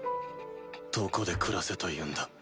どこで暮らせというんだ？